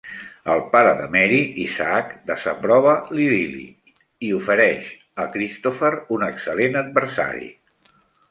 El pare de Mary, Isaac, desaprova l'idil·li i ofereix a Christopher un excel·lent adversari.